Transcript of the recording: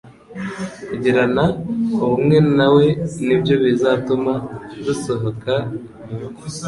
Kugirana ubumwe na we nibyo bizatuma dusohoka mu mva,